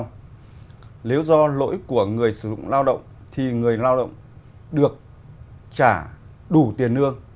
nếu do lỗi của người sử dụng lao động thì người lao động được trả đủ tiền lương